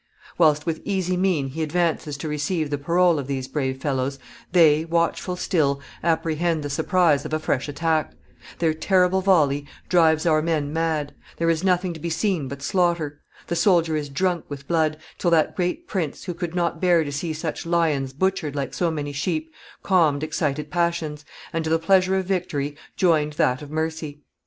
Whilst with easy mien he advances to receive the parole of these brave fellows, they, watchful still, apprehend the surprise of a fresh attack; their terrible volley drives our men mad; there is nothing to be seen but slaughter; the soldier is drunk with blood, till that great prince, who could not bear to see such lions butchered like so many sheep, calmed excited passions, and to the pleasure of victory joined that of mercy.